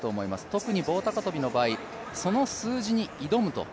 特に棒高跳の場合、その数字に挑むと。